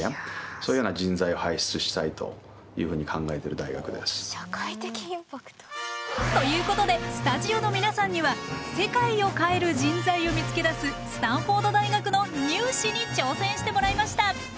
やっぱりそしてまた社会的インパクト？ということでスタジオの皆さんには世界を変える人材を見つけ出すスタンフォード大学のニュー試に挑戦してもらいました！